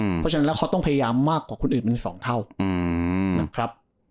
เพราะฉะนั้นแล้วเขาต้องพยายามมากกว่าคนอื่นเป็น๒เท่านะครับ